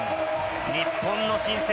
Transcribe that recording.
日本の新星。